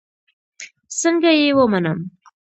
څنگه يې ومنم.